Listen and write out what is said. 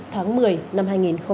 tháng một mươi năm hai nghìn hai mươi